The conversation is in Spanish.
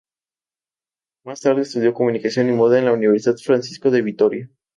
Más tarde estudió comunicación y moda en la Universidad Francisco de Vitoria.